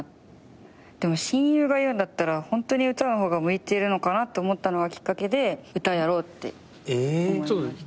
でも親友が言うんだったらホントに歌の方が向いてるのかなと思ったのがきっかけで歌やろうって思いましたね。